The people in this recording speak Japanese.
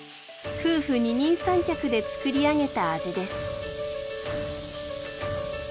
夫婦二人三脚で作り上げた味です。